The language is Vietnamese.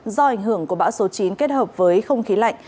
do ảnh hưởng của bão số chín kết hợp với không khí lạnh